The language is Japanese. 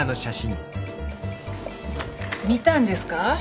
見たんですか？